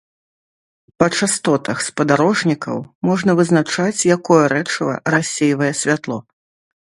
Па частотах спадарожнікаў можна вызначаць, якое рэчыва рассейвае святло.